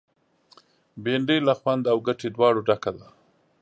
بېنډۍ له خوند او ګټې دواړو ډکه ده